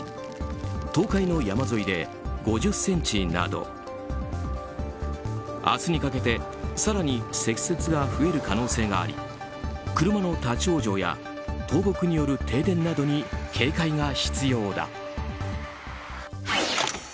東海の山沿いで５０ｃｍなど明日にかけて更に積雪が増える可能性があり車の立ち往生や倒木による停電などに警戒が必要だ。